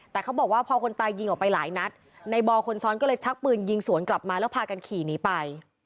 แต่เขาบอกว่าพอคนตายยิงออกไปหลายนัดในบอลคนซ้อนก็เลยชักปืนยิงสวนกลับมาแล้วพากันขี่หนีไป